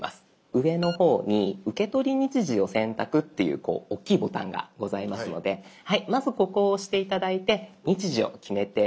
上の方に「受け取り日時を選択」っていうこう大きいボタンがございますのでまずここを押して頂いて日時を決めていきましょう。